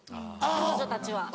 彼女たちは。